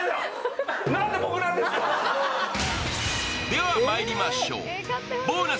ではまいりましょう。